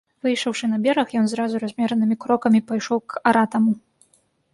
Выйшаўшы на бераг, ён зразу размеранымі крокамі пайшоў к аратаму.